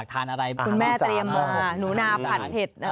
คุณแม่เตรียมมาหนูหนาผันเพ็ด